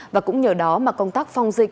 và cũng nhờ đó mà công tác phong dịch